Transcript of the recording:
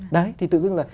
đấy thì tự dưng là